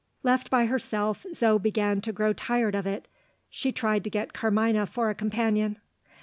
Left by herself, Zo began to grow tired of it. She tried to get Carmina for a companion.